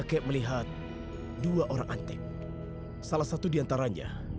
seharusnya ibu membencinya